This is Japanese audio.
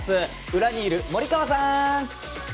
裏にいる森川さん！